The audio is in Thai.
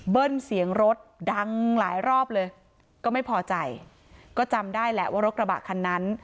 เสียงรถดังหลายรอบเลยก็ไม่พอใจก็จำได้แหละว่ารถกระบะคันนั้น